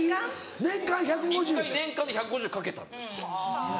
年間１５０？年間で１５０かけたんですって。